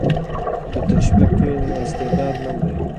که تشویق وي نو استعداد نه مري.